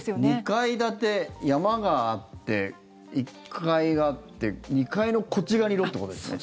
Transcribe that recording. ２階建て山があって１階があって２階のこっち側にいろってことですよね。